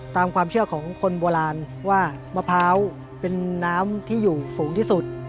ตามความเชื่อของคนโบราณว่ามะพร้าวเป็นน้ำที่อยู่สูงที่สุด